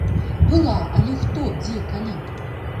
Была, але хто, дзе, калі?